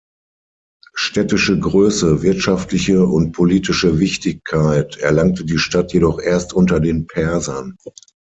Städtische Größe, wirtschaftliche und politische Wichtigkeit erlangte die Stadt jedoch erst unter den Persern.